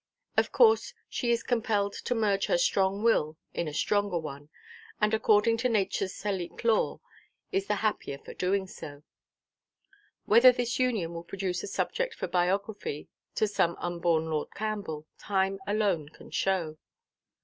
Of course she is compelled to merge her strong will in a stronger one, and, according to natureʼs Salique law, is the happier for doing so. Whether this union will produce a subject for biography to some unborn Lord Campbell, time alone can show.